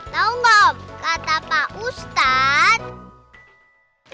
tau gak om kata pak ustadz